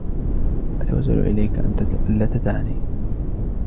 أتوسل إليك أن لا تدعني!